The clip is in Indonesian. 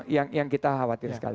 yang kita khawatir sekali